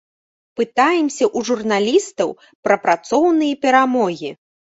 Пытаемся ў журналістаў пра працоўныя перамогі.